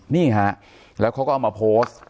นี่ฮะแล้วเขาก็เอามาโพสต์